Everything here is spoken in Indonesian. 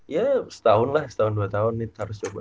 ya setahun lah setahun dua tahun ini harus coba